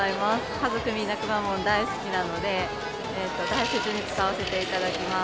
家族みんなくまモン大好きなので大切に使わせていただきます。